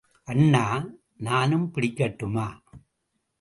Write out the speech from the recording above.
அண்ணா, நானும் பிடிக்கட்டுமா?